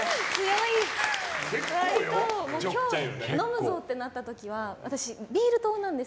飲むぞってなった時は私、ビール党なんです。